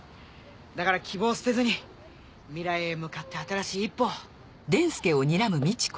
だから希望を捨てずに未来へ向かって新しい一歩を。